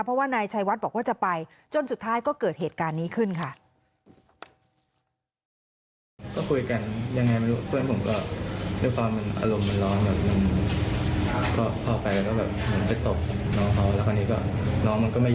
เพราะว่านายชัยวัดบอกว่าจะไปจนสุดท้ายก็เกิดเหตุการณ์นี้ขึ้นค่ะ